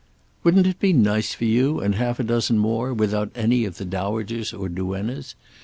Wouldn't it be nice for you and half a dozen more without any of the Dowagers or Duennas?